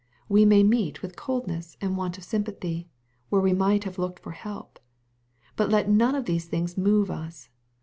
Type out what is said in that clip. We may meet with cold ness and want of sympathy, where we might have looked for help. But let none of these things move us.